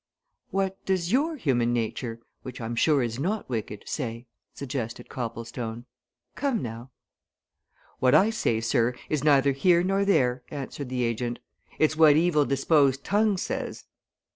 "What does your human nature which I'm sure is not wicked, say?" suggested Copplestone. "Come, now!" "What I say, sir, is neither here nor there," answered the agent. "It's what evil disposed tongues says."